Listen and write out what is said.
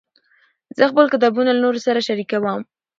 زه خپل کتابونه له نورو سره شریکوم.